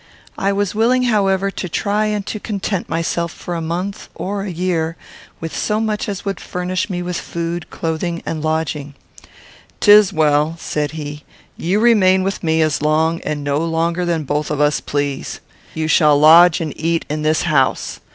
I was willing, however, to try and to content myself for a month or a year, with so much as would furnish me with food, clothing, and lodging. "'Tis well," said he. "You remain with me as long and no longer than both of us please. You shall lodge and eat in this house.